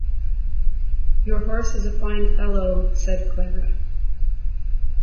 “Your horse is a fine fellow!” said Clara.